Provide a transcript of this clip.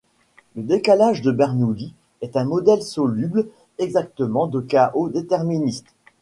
Le décalage de Bernoulli est un modèle soluble exactement de chaos déterministe.